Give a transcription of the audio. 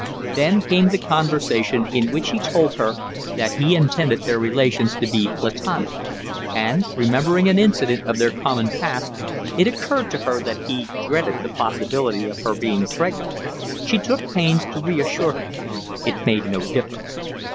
Then came the conversation in which he told her that he intended their relations to be platonic, and, remembering an incident of their common past, it occurred to her that he dreaded the possibility of her being pregnant. She took pains to reassure him. It made no difference.